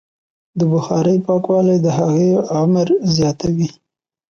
د بخارۍ پاکوالی د هغې عمر زیاتوي.